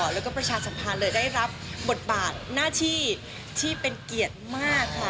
แล้วก็ประชาสัมพันธ์เลยได้รับบทบาทหน้าที่ที่เป็นเกียรติมากค่ะ